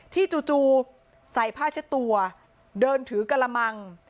จู่ใส่ผ้าเช็ดตัวเดินถือกระมัง